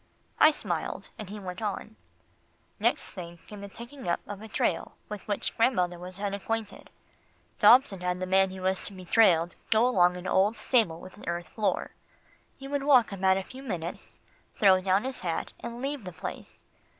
I smiled, and he went on. "Next thing came the taking up of a trail with which grandmother was unacquainted. Dobson had the man who was to be trailed go to an old stable with an earth floor. He would walk about a few minutes, throw down his hat, and leave the place.